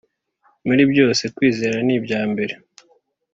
muri byose kwizera ni bya mbere